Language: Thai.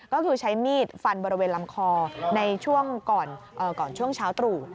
ก็คือใช้มีดฟันบริเวณลำคอในช่วงก่อนช่วงเช้าตรู่